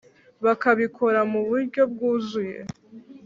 Bakabikora mu buryo bwuzuye